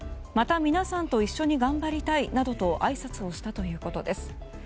また皆さんと一緒に頑張りたいなどとあいさつをしたということです。